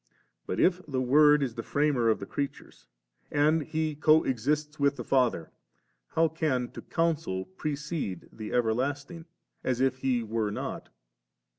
But if the Word is the Framer of the creatures, and He coexists with the Father, how can to counsel precede the Everlasting as if He were not?